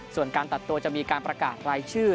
ส่วนการตัดตัวจะมีการประกาศรายชื่อ